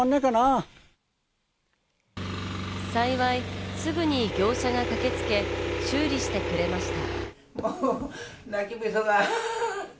幸い、すぐに業者が駆けつけ、修理してくれました。